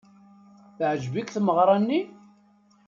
Teɛjeb-ik tmeɣra-nni?